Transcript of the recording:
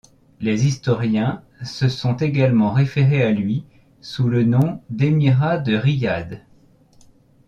Les historiens se sont également référés à lui sous le nom d'Émirat de Riyad.